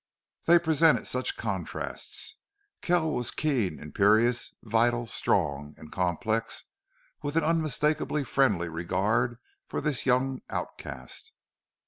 They presented such contrasts. Kells was keen, imperious, vital, strong, and complex, with an unmistakable friendly regard for this young outcast.